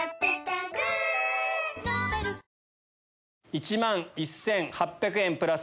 １万１８００円プラス。